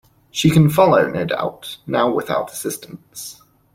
She can follow, no doubt, now without assistance.